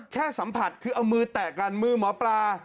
แค่สัมผัสคือเอามือแตกกับมือเหมือนหมอปลา